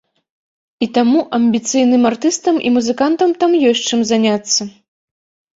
І таму амбіцыйным артыстам і музыкантам там ёсць чым заняцца.